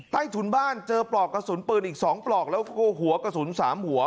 ถุนบ้านเจอปลอกกระสุนปืนอีก๒ปลอกแล้วก็หัวกระสุน๓หัว